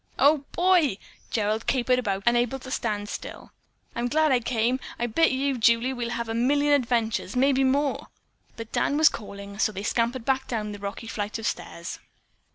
"Oh, boy!" Gerald capered about, unable to stand still. "I'm glad I came. I bet you, Julie, we'll have a million adventures, maybe more." But Dan was calling and so they scampered back down the rocky flight of stairs.